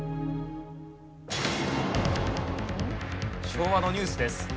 昭和のニュースです。